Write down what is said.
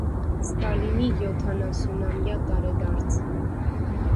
Ստալինի յոթանասունամյա տարեդարձ։